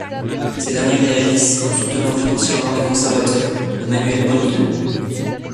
Ces derniers réagissent en soutenant financièrement les conservateurs de Manuel Bonilla.